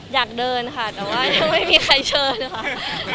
อยากเดินค่ะแต่ว่ายังไม่มีใครเชิญค่ะ